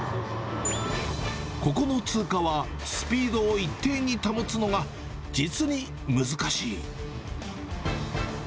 ここの通過はスピードを一定に保つのが実に難しい。